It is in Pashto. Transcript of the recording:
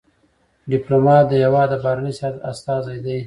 ډيپلومات د هېواد د بهرني سیاست استازی دی.